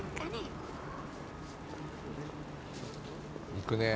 行くねえ。